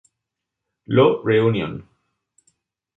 Law reunion".